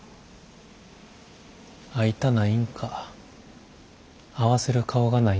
会いたないんか合わせる顔がないんか。